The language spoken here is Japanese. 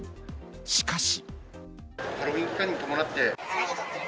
しかし。